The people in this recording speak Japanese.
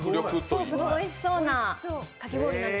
おいしそうなかき氷なんです。